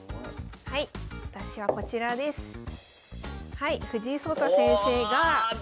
はい藤井聡太先生が。